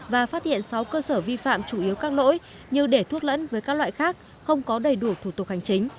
và phát hiện sáu cơ sở vi phạm chủ yếu các lỗi như để thuốc lẫn với các loại khác không có đầy đủ thủ tục hành chính